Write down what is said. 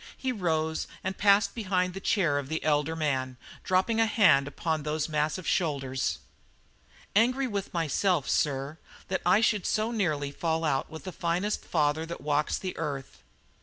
He rose and passed behind the chair of the elder man, dropping a hand upon those massive shoulders. "Angry with myself, sir, that I should so nearly fall out with the finest father that walks the earth."